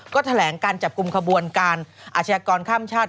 ก็แถลงการจับกลุ่มขบวนการอาชญากรข้ามชาติ